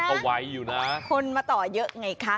ก็ไวอยู่นะคนมาต่อเยอะไงคะ